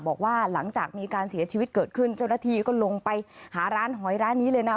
บอกว่าหลังจากมีการเสียชีวิตเกิดขึ้นเจ้าหน้าที่ก็ลงไปหาร้านหอยร้านนี้เลยนะ